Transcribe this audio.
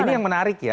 ini yang menarik ya